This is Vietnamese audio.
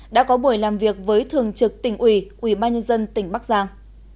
đã có buổi làm việc với thường trực tỉnh ủy ủy ban nhân dân tỉnh bắc giang